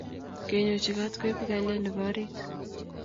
kenyochi kat koipu kalyet nebo orit